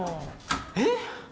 えっ？